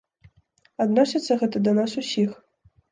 Адносіцца гэта да нас усіх.